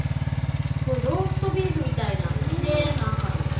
すごいローストビーフみたいなきれいな赤です